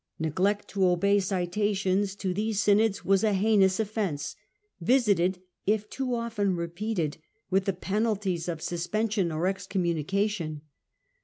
Neglect to obey citations to these synods was a heinous offence, visited, if too often repeated, with the penalties of sus pension or excommunication.